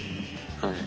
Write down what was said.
はい。